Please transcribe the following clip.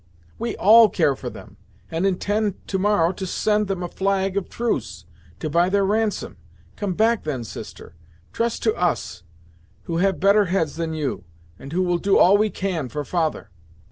"We all care for them, and intend to morrow to send them a flag of truce, to buy their ransom. Come back then, sister; trust to us, who have better heads than you, and who will do all we can for father."